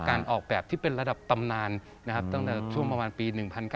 การออกแบบที่เป็นระดับตำนานนะครับตั้งแต่ช่วงประมาณปี๑๙